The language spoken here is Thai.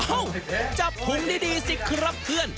จับถุงดีสิครับเพื่อน